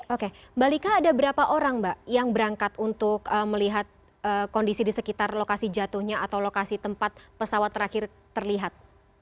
oke mbak lika ada berapa orang mbak yang berangkat untuk melihat kondisi di sekitar lokasi jatuhnya atau lokasi tempat pesawat terakhir terlihat